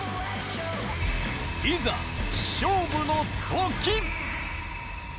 いざ、勝負のとき。